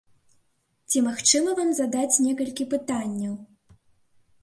Ці магчыма вам задаць некалькі пытанняў?